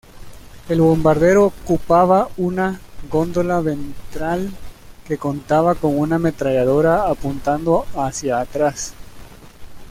El bombardero ocupaba una góndola ventral que contaba con una ametralladora apuntando hacia atrás.